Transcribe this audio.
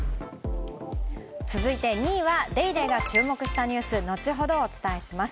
続いて２位は『ＤａｙＤａｙ．』が注目したニュース、後ほど、お伝えします。